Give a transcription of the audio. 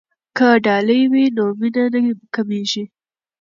که ډالۍ وي نو مینه نه کمېږي.